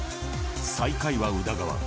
最下位は宇田川。